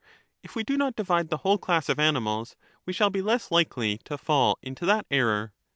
If we do not divide the whole class of animals, we shall be less likely to fall into that error.